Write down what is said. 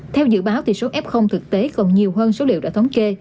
theo dự báo số f thực tế còn nhiều hơn số liệu đã thống kê